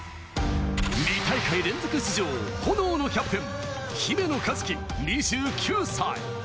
２大会連続出場、炎のキャプテン、姫野和樹、２９歳。